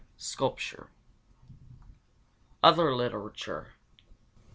5. Sculpture. _Other literature.